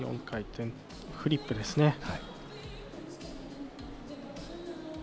４回転フリップですね。